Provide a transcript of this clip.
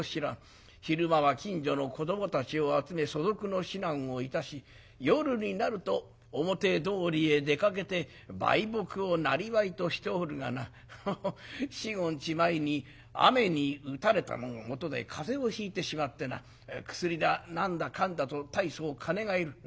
昼間は近所の子どもたちを集め素読の指南をいたし夜になると表通りへ出かけて売卜をなりわいとしておるがな四五日前に雨に打たれたのがもとで風邪をひいてしまってな薬だ何だかんだと大層金がいる。